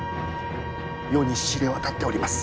世に知れ渡っております。